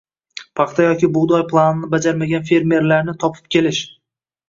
paxta yoki bug‘doy planini bajarmagan fermerlarni topib kelish